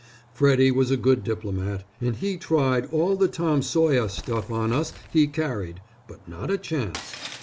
Freddy was a good diplomat, and he tried all the Tom Sawyer stuff on us he carried, but not a chance.